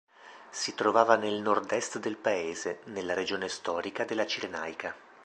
Si trovava nel nord est del paese, nella regione storica della Cirenaica.